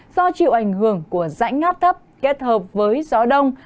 do chịu ảnh hưởng của rãnh ngáp thấp kết hợp với gió đông